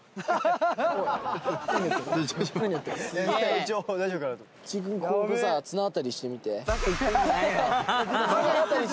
一応大丈夫かなって。